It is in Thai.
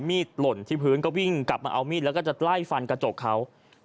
หล่นที่พื้นก็วิ่งกลับมาเอามีดแล้วก็จะไล่ฟันกระจกเขา